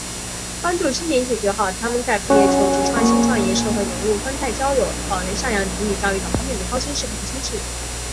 帮助青年解决好他们在毕业求职、创新创业、社会融入、婚恋交友、老人赡养、子女教育等方面的操心事、烦心事……